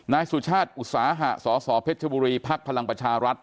นายสุชาติอุตสาหะสสเพชรบุรีภักดิ์พลังประชารัฐ